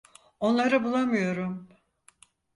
Onları bulamıyorum.